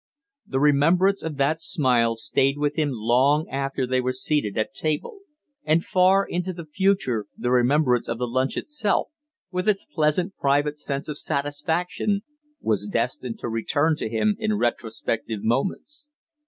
The remembrance of that smile stayed with him long after they were seated at table; and far into the future the remembrance of the lunch itself, with its pleasant private sense of satisfaction, was destined to return to him in retrospective moments.